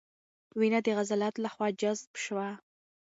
وینه د عضلاتو له خوا جذب شوه.